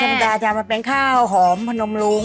ข้าวหุงธรรมดาคือข้าวหอมของนมหรุง